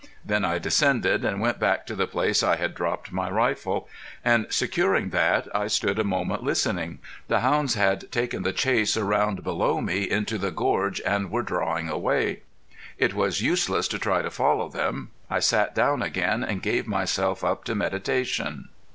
Then I descended, and went back to the place I had dropped my rifle, and securing that I stood a moment listening. The hounds had taken the chase around below me into the gorge and were drawing away. It was useless to try to follow them. I sat down again and gave myself up to meditation.